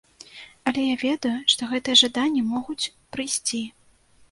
Але я ведаю, што гэтыя жаданні могуць прыйсці.